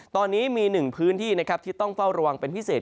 ตอนนี้มีหนึ่งพื้นที่นะครับที่ต้องเฝ้าระวังเป็นพิเศษ